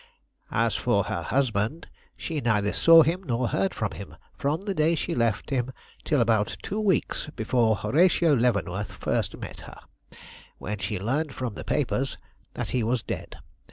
As for her husband, she neither saw him, nor heard from him, from the day she left him till about two weeks before Horatio Leavenworth first met her, when she learned from the papers that he was dead.